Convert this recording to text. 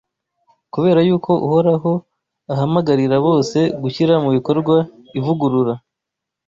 Kubera yuko Uhoraho ahamagarira bose gushyira mu bikorwa ivugurura